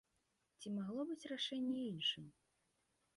Ці магло быць рашэнне іншым?